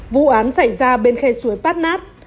vụ án xảy ra bên khe suối bát nát